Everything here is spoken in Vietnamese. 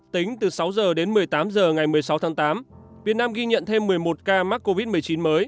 tính từ sáu h đến một mươi tám h ngày một mươi sáu tháng tám việt nam ghi nhận thêm một mươi một ca mắc covid một mươi chín mới